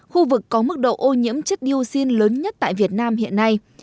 khu vực có mức độ ô nhiễm chất niu xin lớn nhất tại việt nam hiện nay